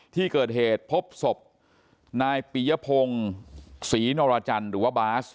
ที่เกิดเหตุพบศพนายปียพงศรีนรจันทร์หรือว่าบาส